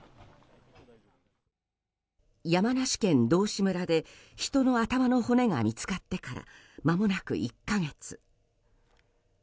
山梨県道志村で人の頭の骨が見つかってからまもなく１か月。